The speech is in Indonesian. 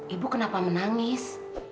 ibu kenapa menangis